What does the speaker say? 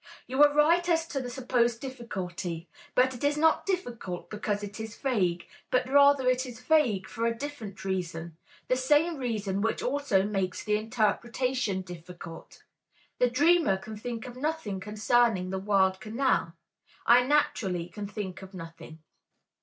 You are right as to the supposed difficulty, but it is not difficult because it is vague, but rather it is vague for a different reason, the same reason which also makes the interpretation difficult. The dreamer can think of nothing concerning the word canal, I naturally can think of nothing.